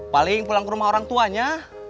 paling pulang ke rumah orang tuanya